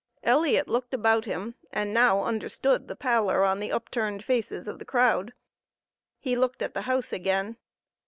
Elliot looked about him and now understood the pallor on the upturned faces of the crowd. He looked at the house again.